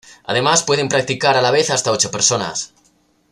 Además, pueden practicar a la vez hasta ocho personas.